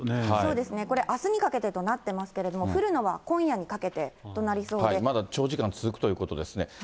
そうですね、あすにかけてとなってますけれども、降るのは今まだ長時間続くということですね。